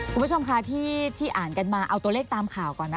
คุณผู้ชมค่ะที่อ่านกันมาเอาตัวเลขตามข่าวก่อนนะ